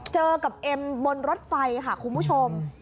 เจอกับเอ็มบนรถไฟค่ะคุณผู้ชม